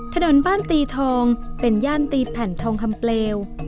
ถนนบ้านตีทองเป็นย่านตีแผ่นทองคำเปลว